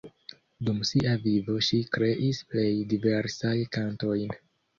Dum sia vivo ŝi kreis plej diversajn kantojn.